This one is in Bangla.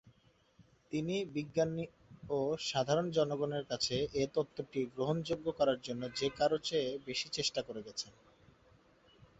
তিনি বিজ্ঞানী ও সাধারণ জনগণের কাছে এ তত্ত্বটি গ্রহণযোগ্য করার জন্য যে কারোর চেয়ে বেশি চেষ্টা করে গেছেন।